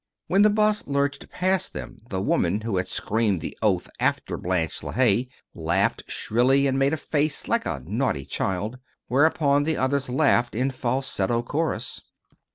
When the 'bus lurched past them the woman who had screamed the oath after Blanche LeHaye laughed shrilly and made a face, like a naughty child, whereupon the others laughed in falsetto chorus.